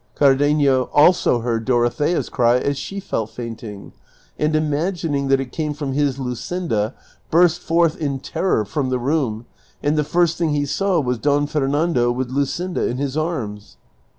Car denio also heard Dorothea's cry as she fell fainting, and imagining that it came from his Luscinda burst forth in terror from the room, and the first thing he saw was Don Fernando with Luscinda in his arms.